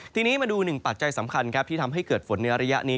ทีนี้มาดู๑ปัจจัยสำคัญที่ทำให้เกิดฝนในอารยะนี้